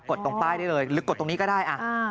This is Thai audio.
ดตรงป้ายได้เลยหรือกดตรงนี้ก็ได้